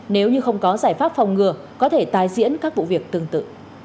nếu như không có giải pháp phòng ngừa có thể tái diễn các vụ việc tương tự